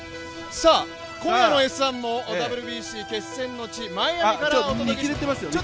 さあ今夜の「Ｓ☆１」もＷＢＣ決戦の地、マイアミからお伝えします。